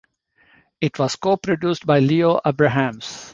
It was co-produced by Leo Abrahams.